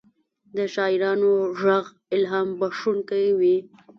د شاعرانو ږغ الهام بښونکی وي.